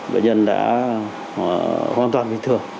bệnh nhân đã hoàn toàn bình thường